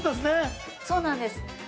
◆そうなんです。